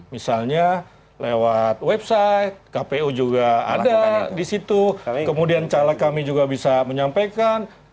misalnya lewat website kpu juga ada di situ kemudian caleg kami juga bisa menyampaikan